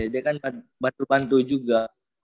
dia kan batu batu juga